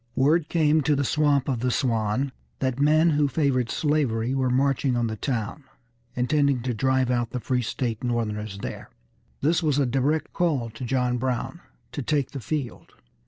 Word come to the Swamp of the Swan that men who favored slavery were marching on the town, intending to drive out the free state Northerners there. This was a direct call to John Brown to take the field.